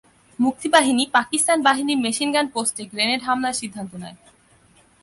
মুক্তিবাহিনী পাকিস্তান বাহিনীর মেশিনগান পোস্টে গ্রেনেড হামলার সিদ্ধান্ত নেয়।